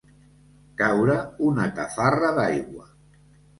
Caure una tafarra d'aigua.